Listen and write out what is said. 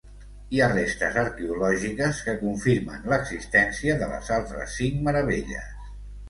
Hi ha restes arqueològiques que confirmen l'existència de les altres cinc meravelles.